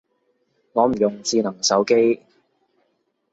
我唔用智能手機